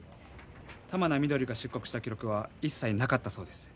玉名翠が出国した記録は一切なかったそうです。